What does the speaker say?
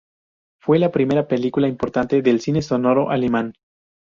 Fue la primera película importante del cine sonoro alemán.